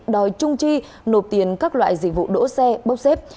đòi trung chi nộp tiền các loại dịch vụ đỗ xe bốc xếp